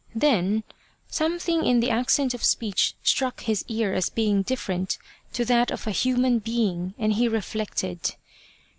Then something in the accent of speech struck his ear as being different to that of a human being, and he reflected.